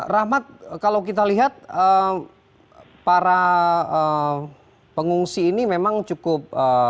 rahmat kalau kita lihat para pengungsi ini memang cukup